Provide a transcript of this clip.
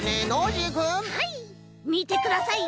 みてください。